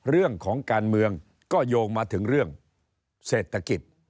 เรื่องของการเมืองก็โยงมาถึงเรื่องเศรษฐกิจ